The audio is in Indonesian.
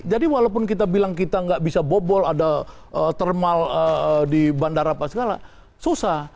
jadi walaupun kita bilang kita nggak bisa bobol ada termal di bandara apa segala susah